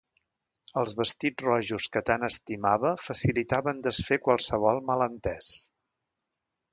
Els vestits rojos que tant estimava facilitaven desfer qualsevol malentés.